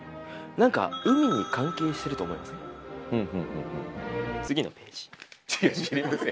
何か海に関係してると思いません？